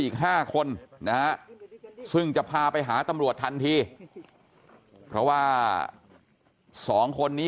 อีก๕คนนะฮะซึ่งจะพาไปหาตำรวจทันทีเพราะว่า๒คนนี้